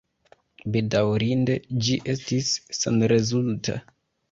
Bedaŭrinde ĝi estis senrezulta.